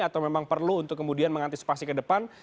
atau memang perlu untuk kemudian mengantisipasi ke depan